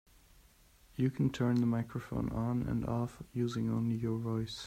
You can turn the microphone on and off using only your voice.